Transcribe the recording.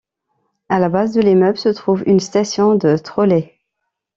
À la base de l'immeuble se trouve une station de trolley.